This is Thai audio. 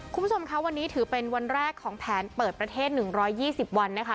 คุณผู้ชมคะวันนี้ถือเป็นวันแรกของแผนเปิดประเทศ๑๒๐วันนะคะ